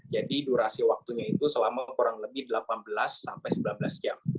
jadi durasi waktunya itu selama kurang lebih delapan belas sampai sembilan belas jam